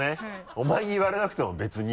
お前に言われなくても別に。